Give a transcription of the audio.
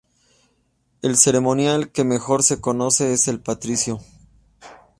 El ceremonial que mejor se conoce es el patricio.